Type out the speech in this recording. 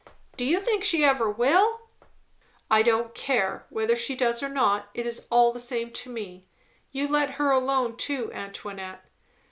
"Do you think she ever will?" "I don't care, whether she does or not. It is all the same to me. You let her alone too, Antoinette."